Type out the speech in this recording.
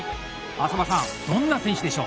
浅羽さんどんな選手でしょう？